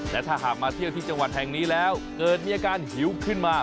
และถ้าหากมาเที่ยวที่จังหวัดแห่งนี้แล้วเกิดมีอาการหิวขึ้นมา